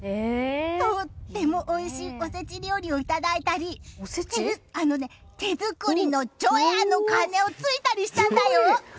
とってもおいしいおせち料理をいただいたり手作りの除夜の鐘を突いたりしちゃったよ。